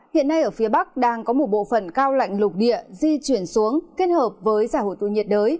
hiện nay ở phía bắc đang có một bộ phần cao lạnh lục địa di chuyển xuống kết hợp với giả hội tụ nhiệt đới